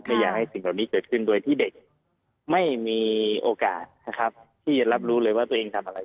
ไม่อยากให้สิ่งเหล่านี้เกิดขึ้นโดยที่เด็กไม่มีโอกาสนะครับที่จะรับรู้เลยว่าตัวเองทำอะไร